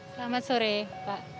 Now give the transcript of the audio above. selamat sore pak